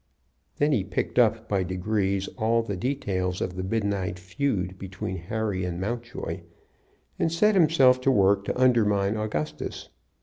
Then he picked up by degrees all the details of the midnight feud between Harry and Mountjoy, and set himself to work to undermine Augustus.